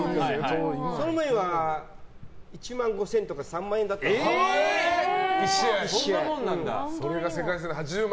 その前は１万５０００とか３万円だったのそれが世界で８０万。